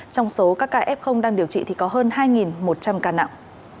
trong số các ca f đang điều trị thì có hơn hai một trăm linh ca nặng